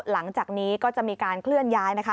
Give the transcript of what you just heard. หลังจากนี้ก็จะมีการเคลื่อนย้ายนะคะ